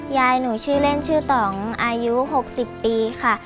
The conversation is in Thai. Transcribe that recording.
ยายหนูชื่อเล่นชื่อต่องอายุ๖๐ปีค่ะ